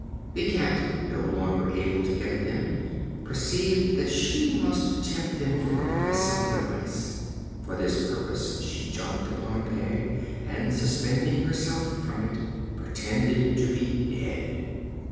The Cat, no longer able to get at them, perceived that she must tempt them forth by some device. For this purpose she jumped upon a peg, and, suspending herself from it, pretended to be dead.